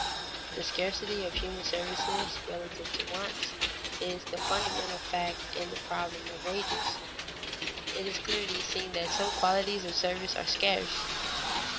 The scarcity of human services, relative to wants, is the fundamental fact in the problem of wages. It is clearly seen that some qualities of service are scarce.